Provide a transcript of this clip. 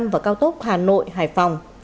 và cao tốc hà nội hải phòng